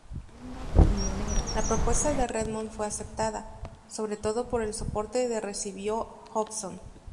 La propuesta de Redmond fue aceptada, sobre todo por el soporte de recibió Hobson.